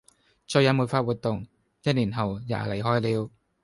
再也沒法活動；一年後也離開了